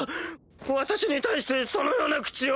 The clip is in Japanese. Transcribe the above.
私に対してそのような口を！